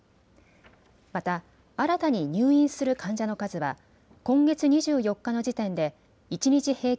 また新たに入院する患者の数は今月２４日の時点で一日平均